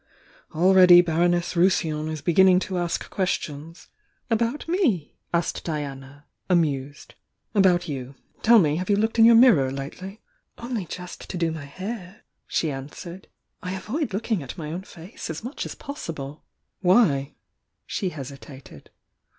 Already Baron ess Rousillon is beginning to ask questions " "About me?" asked Diana, amused. "About you. Tell me, have you looked in your mirror lately?" "Only just to do my hair," she answered. "I avoid looking at my own face as much as possible." "Why?" She hesitated.